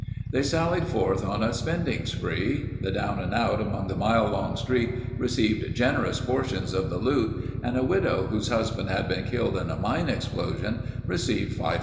They sallied forth on a spending spree. The down and out along the mile long street received generous portions of the loot and a widow whose husband had been killed in a mine explosion, received $500.